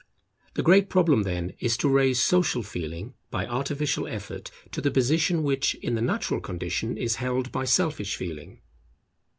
The great problem, then, is to raise social feeling by artificial effort to the position which, in the natural condition, is held by selfish feeling.